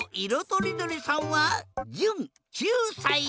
とりどりさんはじゅん９さい。